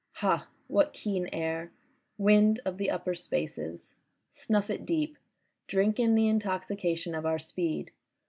Ha, what keen air. Wind of the upper spaces. Snuff it deep, drink in the intoxication of our speed.